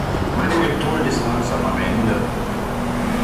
Meine Geduld ist langsam am Ende.